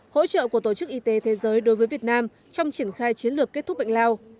hỗ trợ của tổ chức y tế thế giới đối với việt nam trong triển khai chiến lược kết thúc bệnh lao